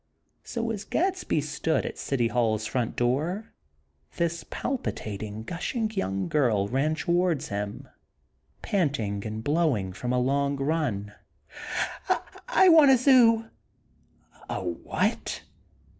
So, as Gadsby stood at City Hall's front door, this palpitating, gushing young girl ran towards him, panting and blowing from a long run: "I want a zoo!!" "A WHAT?"